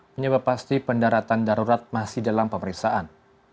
menyebabkan pendaratan darurat masih dalam pemeriksaan